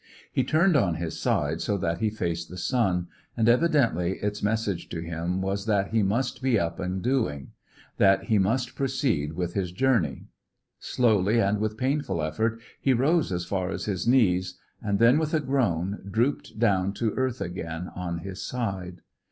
He turned on his side so that he faced the sun, and evidently its message to him was that he must be up and doing; that he must proceed with his journey. Slowly, and with painful effort, he rose as far as his knees; and then, with a groan, drooped down to earth again on his side.